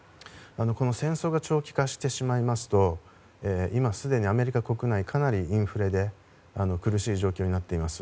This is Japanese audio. この戦争が長期化してしまいますと今、すでにアメリカ国内かなりインフレで苦しい状況になっています。